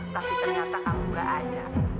tapi ternyata kamu berada di